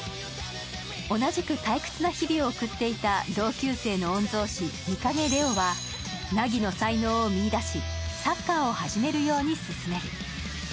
同じく退屈な日々を送っていた同級生の御曹司、御影玲王は凪の才能を見いだし、サッカーを始めるように進める。